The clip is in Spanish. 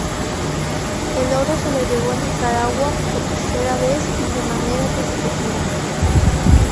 El oro se lo llevó Nicaragua por tercera vez y de manera consecutiva.